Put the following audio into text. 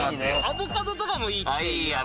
アボカドとかもいいって。